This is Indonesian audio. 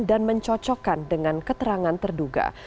dan mencocokkan dengan keterangan terduga